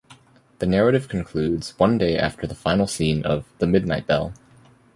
The narrative concludes one day after the final scene of "The Midnight Bell".